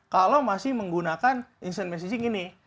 kalau masih menggunakan insant messaging ini